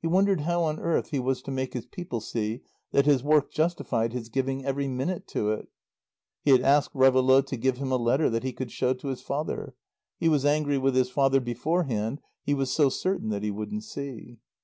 He wondered how on earth he was to make his people see that his work justified his giving every minute to it. He had asked Réveillaud to give him a letter that he could show to his father. He was angry with his father beforehand, he was so certain that he wouldn't see.